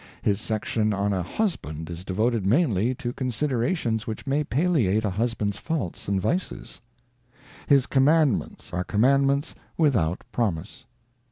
His section on a Husband is devoted mainly to considerations which may palliate a husband's faults and vices. His com mandments are commandments without promise.